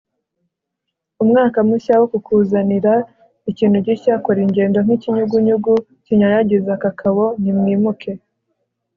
umwaka mushya wo kukuzanira ikintu gishya, kora ingendo, nk'ikinyugunyugu kinyanyagiza kakao! nimwimuke